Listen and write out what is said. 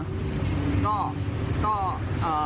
ก็ก็เอ่อ